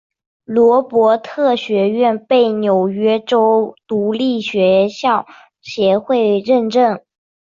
罗伯特学院被纽约州独立学校协会认证。